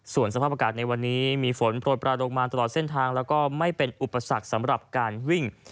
ส่วนสภาพอากาศในวันนี้มีฝนโปรดปลาลงมาตลอดเส้นทางแล้วก็ไม่เป็นอุปสรรคสำหรับการวิ่ง